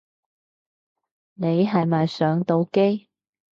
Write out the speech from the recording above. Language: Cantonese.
你係咪上到機